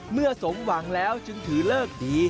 เมื่อสมหวังแล้วจึงถือเลิกดี